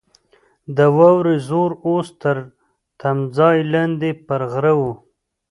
د واورې زور اوس تر تمځای لاندې پر غره وو.